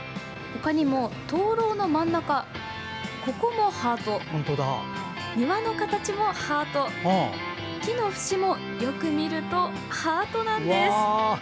ほかにも、灯籠の真ん中ここもハート庭の形もハート木の節もよく見るとハートなんです。